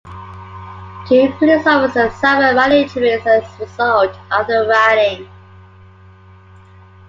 Two police officers suffered minor injuries as a result of the rioting.